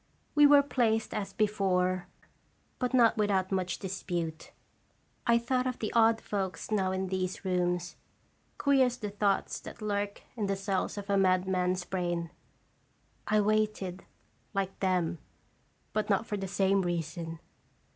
We were placed as before, but not without much dispute. I thought of the odd folks now in these rooms, queer as the thoughts that lurk in the cells of a madman's brain. I waited, like them, but not for the same reason.